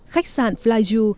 khách sạn flyju